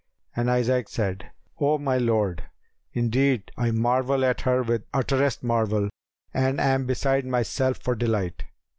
and Isaac said, "O my lord, indeed I marvel at her with utterest marvel and am beside myself for delight."